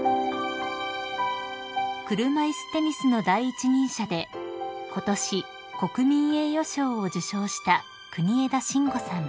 ［車いすテニスの第一人者でことし国民栄誉賞を受賞した国枝慎吾さん］